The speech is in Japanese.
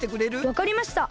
わかりました。